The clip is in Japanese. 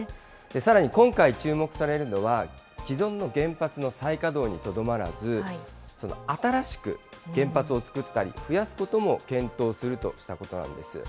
さらに今回、注目されるのは、既存の原発の再稼働にとどまらず、新しく原発を作ったり、増やすことも検討するとしたことなんです。